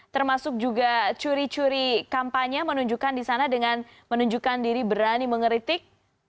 termasuk juga curi curi kampanye menunjukkan di sana dengan menunjukkan diri berani mengeritik